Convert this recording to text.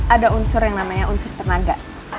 ada unsur yang namanya unsur tenaga